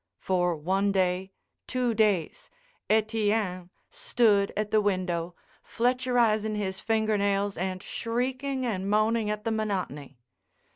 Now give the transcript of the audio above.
For one day, two days, Etienne stood at the window, Fletcherizing his finger nails and shrieking and moaning at the monotony.